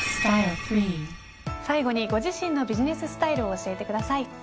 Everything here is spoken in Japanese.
最後にご自身のビジネススタイルを教えてください。